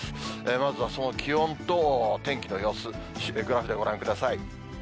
まずは、その気温と天気の様子、グラフでご覧ください。